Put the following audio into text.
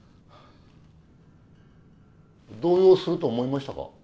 動揺すると思いましたか。